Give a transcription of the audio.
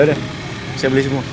udah saya beli semua